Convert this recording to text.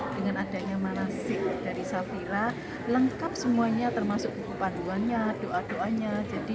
dengan adanya manasik dari safira lengkap semuanya termasuk hukuman buahnya doa doanya